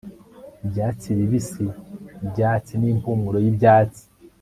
ibyatsi bibisi byatsi n'impumuro y'ibyatsi